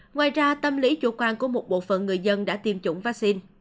ngoài ra tâm lý chủ quan của một bộ phận người dân đã tiêm chủng vaccine